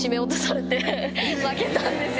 負けたんですよ。